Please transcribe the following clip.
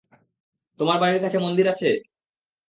তোমার বাড়ির কাছে মন্দির আছে?